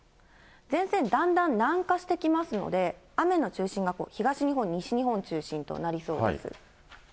前線だんだん南下してきますので、雨の中心が東日本、西日本中心となりそうです。